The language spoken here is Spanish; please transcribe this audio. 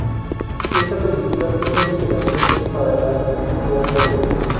Esa película fue la inspiración para el arte que hace hoy.